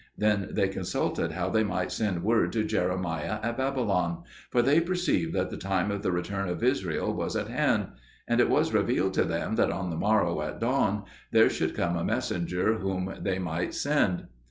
Then they consulted how they might send word to Jeremiah at Babylon; for they perceived that the time of the return of Israel was at hand. And it was revealed to them that on the morrow at dawn there should come a messenger whom they might send.